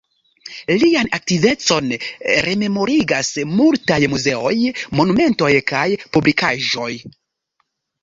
Lian aktivecon rememorigas multaj muzeoj, monumentoj kaj publikaĵoj.